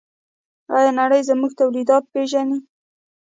آیا نړۍ زموږ تولیدات پیژني؟